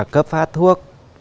cấp phát thuốc